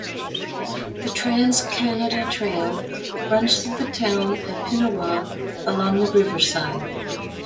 The Trans-Canada Trail runs through the town of Pinawa along the Riverside.